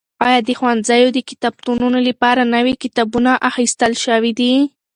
ایا د ښوونځیو د کتابتونونو لپاره نوي کتابونه اخیستل شوي دي؟